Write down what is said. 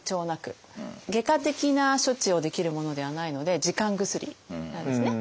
外科的な処置をできるものではないので時間薬なんですね。